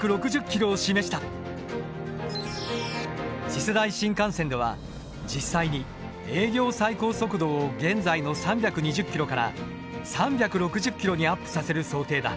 次世代新幹線では実際に営業最高速度を現在の３２０キロから３６０キロにアップさせる想定だ。